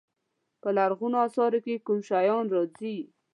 په لرغونو اثارو کې کوم شیان راځي.